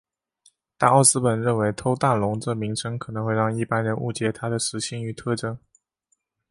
但奥斯本认为偷蛋龙这名称可能会让一般人误解它们的食性与特征。